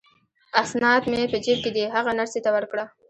اسناد مې په جیب کې دي، هغه نرسې ته ورکړه.